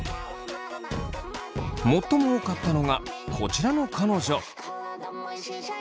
最も多かったのがこちらの彼女。